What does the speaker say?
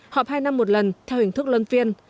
họp hai năm một lần theo hình thức lân phiên